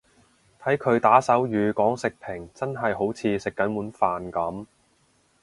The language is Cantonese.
睇佢打手語講食評真係好似食緊碗飯噉